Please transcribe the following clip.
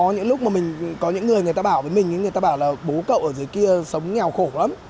những lúc mà mình có những người người ta bảo với mình người ta bảo là bố cậu ở dưới kia sống nghèo khổ lắm